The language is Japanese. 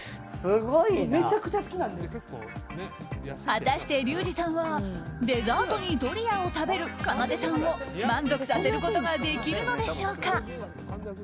果たして、リュウジさんはデザートにドリアを食べるかなでさんを満足させることができるのでしょうか。